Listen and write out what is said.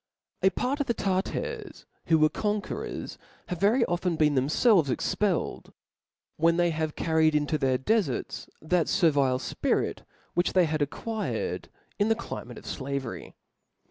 A part of the Tartar^ who were conauerors, havQ very often been themfelves ejcpelled i^ whc^ they have carried into their defarts that fervile fpi rit, which they had acquired in the climate of (la very.